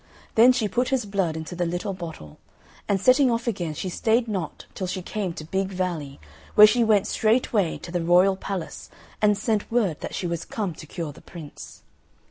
Then she put his blood into the little bottle; and setting off again she stayed not till she came to Big Valley, where she went straightway to the royal palace, and sent word that she was come to cure the Prince.